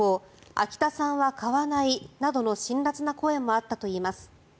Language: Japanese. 秋田産は買わないなどの辛らつな声もあったといいます。